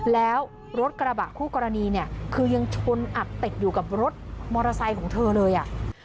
แล้วรถกระบะคู่กรณีเนี่ยคือยังชนอัดติดอยู่กับรถมอเตอร์ไซค์ของเธอเลยอ่ะ